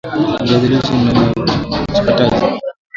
viazi lishe na namna ya uchakataji